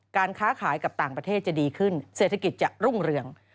การค้าขายกับต่างประเทศจะดีขึ้นเศรษฐกิจจะรุ่งเรือง